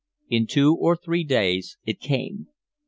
In two or three days it came.